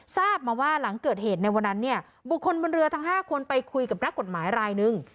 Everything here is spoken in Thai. ทราบมาว่าหลังเกิดเหตุในวันนั้นเนี่ยบุคคลบนเรือทั้ง๕คนไปคุยกับนักกฎหมายรายนึง